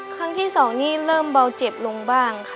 ครั้งที่๒นี่เริ่มเบาเจ็บลงบ้างค่ะ